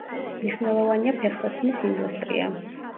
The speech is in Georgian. მნიშვნელოვანია ფეხსაცმლის ინდუსტრია.